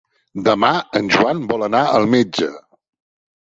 Demà en Joan vol anar al metge.